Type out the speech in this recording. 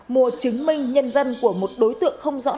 mua chứng minh nhân dân của một đối tượng không rõ